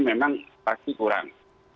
memang pasti kurang